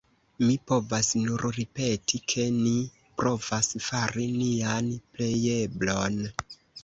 Mi povas nur ripeti, ke ni provas fari nian plejeblon.